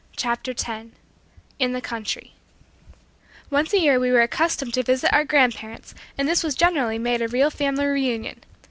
CHAPTER TEN IN THE COUNTRY Once a year we were accustomed to visit our grandparents and this was generally made a real family reunion.